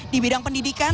di bidang pendidikan